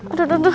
aduh aduh aduh